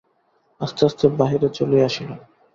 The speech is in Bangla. আস্তে আস্তে বাহিরে চলিয়া আসিল।